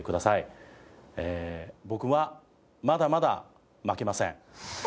僕はまだまだ負けません！